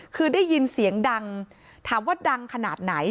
คือได้ยินเสียงดังถามว่าดังขนาดไหน